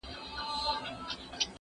زه به سبا ليک لولم وم!.